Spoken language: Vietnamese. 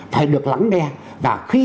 phải được lắng nghe và khi